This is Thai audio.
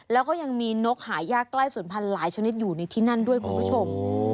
แล้วก็ยังมีนกหายากใกล้ส่วนพันธุ์หลายชนิดอยู่ในที่นั่นด้วยคุณผู้ชม